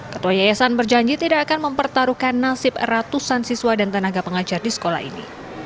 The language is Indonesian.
ketua yayasan berjanji tidak akan mempertaruhkan nasib ratusan siswa dan tenaga pengajar di sekolah ini